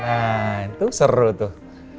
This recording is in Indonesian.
nah itu seru tuh